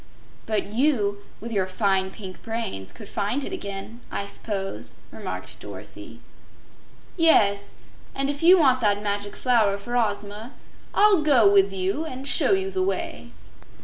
"But you, with your fine pink brains, could find it again, I s'pose," remarked Dorothy. "Yes; and if you want that Magic Flower for Ozma, I'll go with you and show you the way."